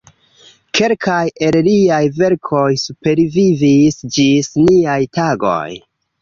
Kelkaj el liaj verkoj supervivis ĝis niaj tagoj.